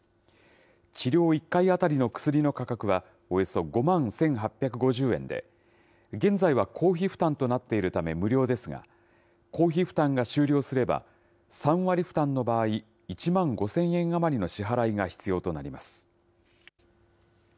治療１回当たりの薬の価格はおよそ５万１８５０円で、現在は公費負担となっているため無料ですが、公費負担が終了すれば、３割負担の場合、１万５０００円余りの支払いが必要となります。